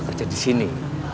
kerja di sini